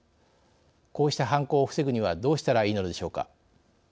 こうした犯行を防ぐにはどうしたらいいのでしょうか。